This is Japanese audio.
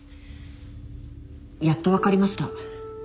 やっと分かりました。